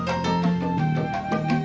saya kemode kang